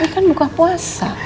ini kan buka puasa